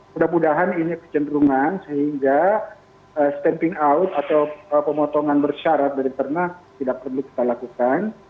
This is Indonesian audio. mudah mudahan ini kecenderungan sehingga stamping out atau pemotongan bersyarat dari ternak tidak perlu kita lakukan